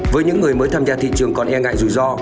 với những người mới tham gia thị trường còn e ngại rủi ro